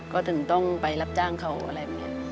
ก็ถึงต้องไปรับจ้างเขาอะไรแบบนี้